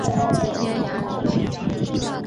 揭阳榕城人。